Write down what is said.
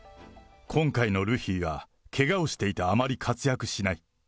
今回のルフィはけがをしていてあまり活躍しない。